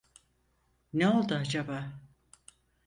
Ne oldu acaba?